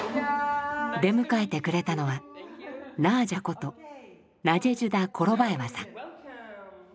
出迎えてくれたのはナージャことナジェジュダ・コロバエワさん。